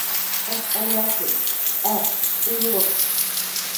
ئەسقەر ياسىن، ئەر، ئۇيغۇر.